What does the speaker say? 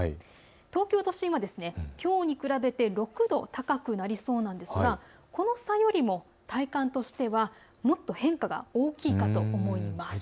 東京都心は、きょうに比べて６度高くなりそうでこの差よりも体感としてはもっと変化が大きいかと思います。